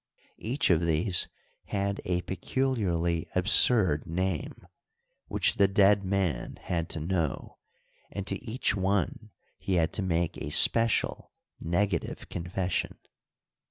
Each of these had a peculiarly absurd name, which the dead man had to know and to each one he had to make a special negative confession.